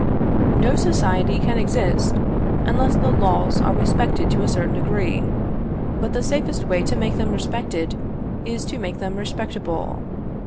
No society can exist unless the laws are respected to a certain degree, but the safest way to make them respected is to make them respectable.